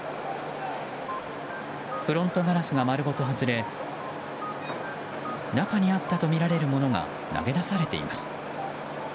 フロントガラスが丸ごと外れ中にあったとみられるものが投げ出されています。